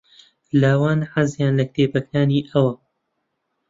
لاوان حەزیان لە کتێبەکانی ئەوە.